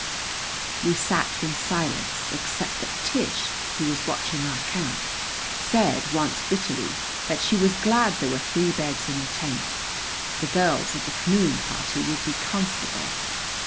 We sat in silence, except that Tish, who was watching our camp, said once bitterly that she was glad there were three beds in the tent. The girls of the canoeing party would be comfortable.